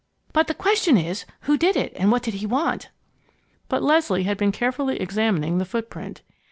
But now the question is, who did it and what did he want?" But Leslie had been carefully examining the footprint.